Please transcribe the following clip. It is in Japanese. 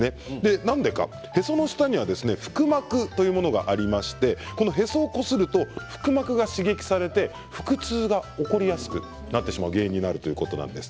なんでかというと、へその下には腹膜というものがありましておへそをこすると腹膜が刺激されて腹痛が起こりやすくなってしまう原因になるということです。